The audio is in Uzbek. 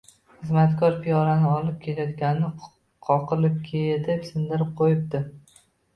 Xizmatkor piyolani olib kelayotganda qoqilib ketib sindirib qo‘yibdi